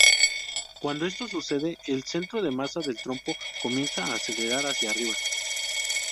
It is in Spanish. Cuando esto sucede, el centro de masa del trompo comienza a acelerar hacia arriba.